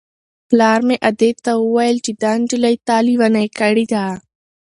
پلار مې ادې ته وویل چې دا نجلۍ تا لېونۍ کړې ده.